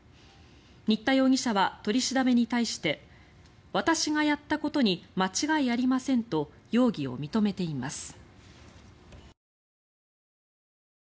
新田容疑者は取り調べに対して私がやったことに間違いありませんと容疑を認めています。